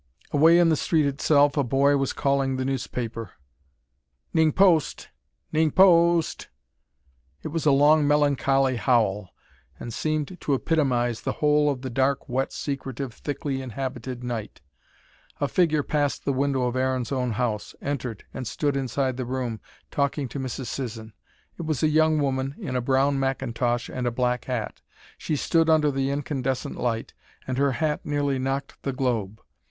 Away in the street itself, a boy was calling the newspaper: " 'NING POST! 'NING PO O ST!" It was a long, melancholy howl, and seemed to epitomise the whole of the dark, wet, secretive, thickly inhabited night. A figure passed the window of Aaron's own house, entered, and stood inside the room talking to Mrs. Sisson. It was a young woman in a brown mackintosh and a black hat. She stood under the incandescent light, and her hat nearly knocked the globe.